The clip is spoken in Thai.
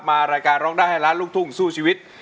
รายการร้องได้ให้ล้านลูกทุ่งสู้ชีวิต